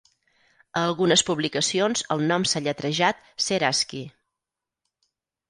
A algunes publicacions el nom s'ha lletrejat Ceraski.